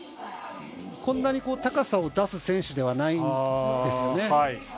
こんなに高さを出す選手ではないんですよね。